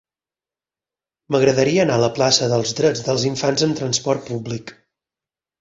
M'agradaria anar a la plaça dels Drets dels Infants amb trasport públic.